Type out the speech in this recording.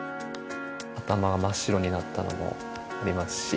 頭が真っ白になったのもありますし。